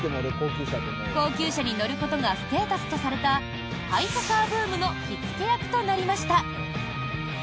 高級車に乗ることがステータスとされたハイソカーブームの火付け役となりました。